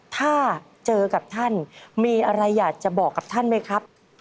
ถ้าเจอกับท่านมีอะไรอยากจะบอกกับท่านไหมครับ